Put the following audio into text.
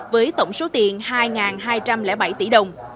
với tổng số tiền hai hai trăm linh bảy tỷ đồng